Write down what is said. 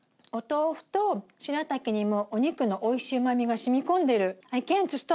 お豆腐としらたきにもお肉のおいしいうまみがしみ込んでる。